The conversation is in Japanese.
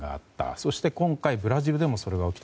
そして今回ブラジルでもそれが起きた。